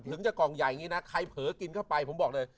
ถึงจะกล่องใหญ่อย่างนี้นะใครเผลอกินเข้าไปผมบอกเลย